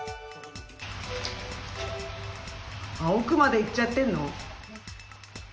奥まで行っちゃってるの？